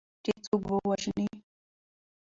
چې څوک ووژني